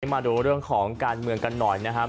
มาดูเรื่องของการเมืองกันหน่อยนะครับ